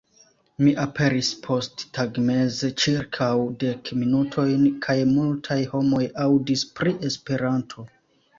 Mi aperis posttagmeze ĉirkaŭ dek minutojn, kaj multaj homoj aŭdis pri Esperanto.